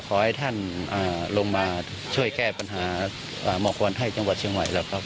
ขอให้ท่านลงมาช่วยแก้ปัญหาหมอกควันให้จังหวัดเชียงใหม่แล้วครับ